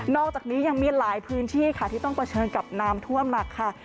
อกจากนี้ยังมีหลายพื้นที่ค่ะที่ต้องเผชิญกับน้ำท่วมหนักค่ะ